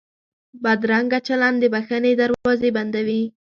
بدرنګه چلند د بښنې دروازې بندوي